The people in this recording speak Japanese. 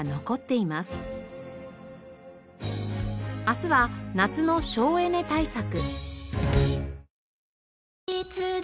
明日は夏の省エネ対策。